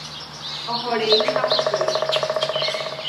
Ohorei hapykuéri.